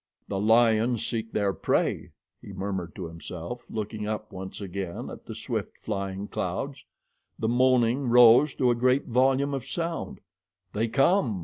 "The lions seek their prey," he murmured to himself, looking up once again at the swift flying clouds. The moaning rose to a great volume of sound. "They come!"